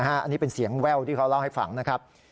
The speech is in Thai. อันนี้เป็นเสียงแว่วที่เขาเล่าให้ฟังนะครับ